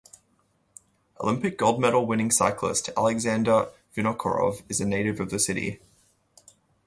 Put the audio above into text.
Olympic gold medal winning cyclist Alexander Vinokourov is a native of the city.